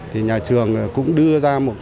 thì nhà trường cũng đưa ra